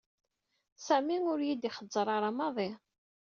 Sami ur y-id-i xeẓẓer ara maḍi.